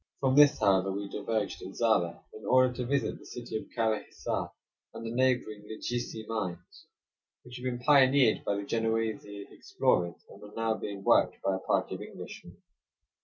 From this, however, we diverged at Zara, in order to visit the city of Kara Hissar, and the neighboring Lidjissy mines, which had been pioneered by the Genoese explorers, and were now being worked by a party of Englishmen.